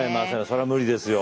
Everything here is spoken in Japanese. それは無理ですよ。